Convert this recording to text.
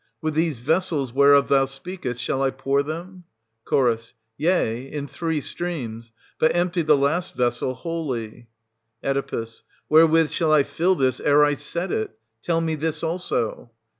With these vessels whereof thou speakest shall I pour them } Ch. Yea, in three streams ; but empty the last vessel wholly. 480 Oe. Wherewith shall I fill this, ere I set it .? Tell me this also.